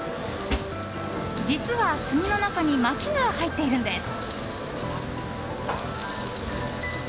実は、炭の中にまきが入っているんです。